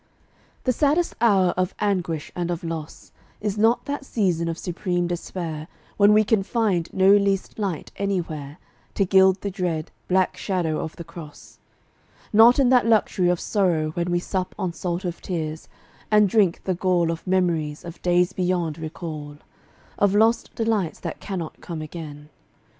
The saddest hour of anguish and of loss Is not that season of supreme despair When we can find no least light anywhere To gild the dread, black shadow of the Cross; Not in that luxury of sorrow when We sup on salt of tears, and drink the gall Of memories of days beyond recall Of lost delights that cannot come again.